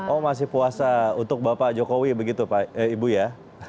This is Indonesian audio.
oh masih puasa untuk bapak jokowi begitu ibu ya